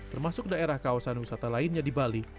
termasuk daerah kawasan wisata lainnya di bali